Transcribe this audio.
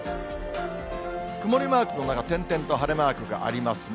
曇りマークの中、点々と晴れマークがありますね。